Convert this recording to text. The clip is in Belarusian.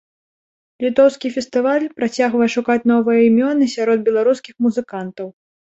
Літоўскі фестываль працягвае шукаць новыя імёны сярод беларускіх музыкантаў.